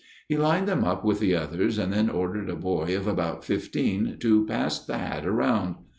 He lined them up with the others and then ordered a boy of about fifteen to "pass the hat around."